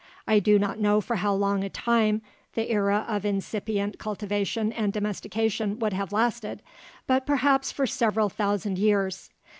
I do not know for how long a time the era of incipient cultivation and domestication would have lasted, but perhaps for several thousand years.